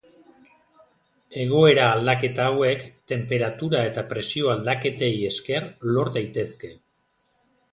Egoera aldaketa hauek tenperatura eta presio aldaketei esker lor daitezke.